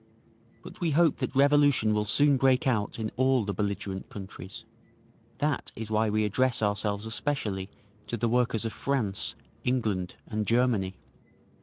But we hope that revolution will soon break out in all the belligerent countries; that is why we address ourselves especially to the workers of France, England and Germany….